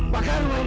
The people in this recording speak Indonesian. pakar rumah ini